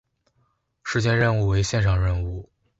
事件任务为线上任务。